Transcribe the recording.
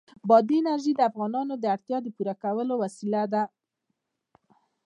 بادي انرژي د افغانانو د اړتیاوو د پوره کولو وسیله ده.